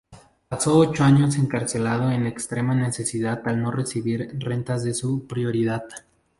Pasó ocho años encarcelado en extrema necesidad al no recibir rentas de su propiedad.